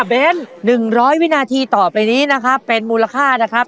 เน้น๑๐๐วินาทีต่อไปนี้นะครับเป็นมูลค่านะครับ